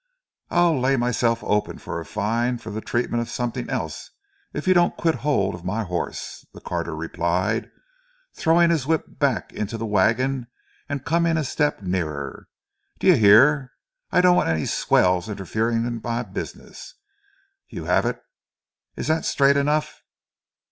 "I'll lay myself open for a fine for the treatment of something else, if you don't quid 'old of my 'oss," the carter retorted, throwing his whip back into the waggon and coming a step nearer. "D'yer 'ear? I don't want any swells interferin' with my business. You 'op it. Is that strite enough?